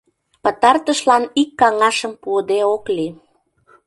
Пытартышлан ик каҥашым пуыде ок лий.